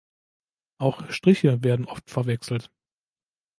Auch Striche werden oft verwechselt.